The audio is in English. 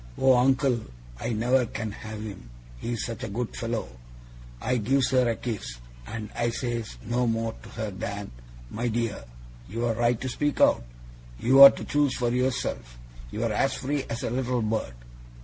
Oh, Uncle! I never can have him. He's such a good fellow!" I gives her a kiss, and I says no more to her than, "My dear, you're right to speak out, you're to choose for yourself, you're as free as a little bird."